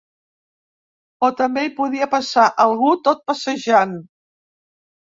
O també hi podia passar algú tot passejant.